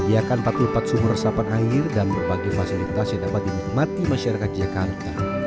menyediakan empat puluh empat sumur resapan air dan berbagai fasilitas yang dapat dinikmati masyarakat jakarta